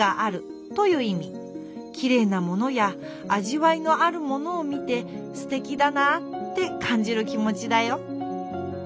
きれいなものやあじわいのあるものを見てすてきだなってかんじる気もちだよ。